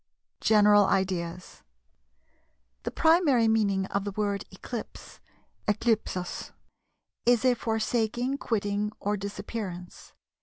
GENERAL IDEAS. The primary meaning of the word "Eclipse" (ἔϰλειψις) is a forsaking, quitting, or disappearance.